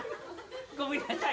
ごめんなさい。